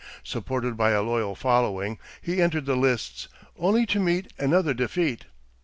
Supported by a loyal following, he entered the lists, only to meet another defeat.